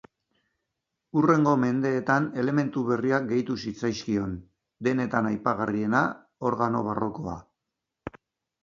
Hurrengo mendeetan elementu berriak gehitu zitzaizkion, denetan aipagarriena organo barrokoa.